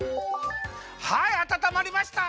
はいあたたまりました。